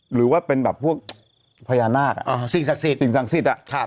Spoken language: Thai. หรือว่าเป็นแบบพวกพญานาคสิ่งศักดิ์สิทธิ์